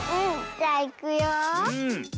じゃあいくよ。